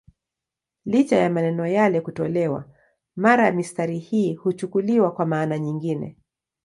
Licha ya maneno yale kutolewa, mara mistari hii huchukuliwa kwa maana nyingine.